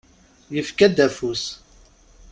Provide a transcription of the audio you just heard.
Yefka-d afus.